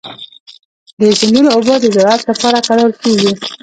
د سیندونو اوبه د زراعت لپاره کارول کېږي.